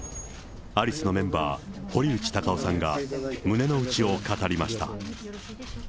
アリスのメンバー、堀内孝雄さんが胸の内を語りました。